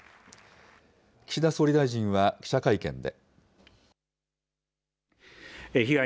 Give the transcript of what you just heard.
岸田総理大臣は記者会見で。